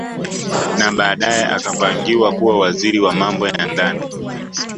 Na baadae akapangiwa kuwa Waziri wa Mambo ya Ndani